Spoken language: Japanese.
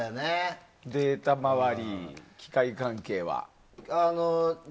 データ周りとか機械関係はね。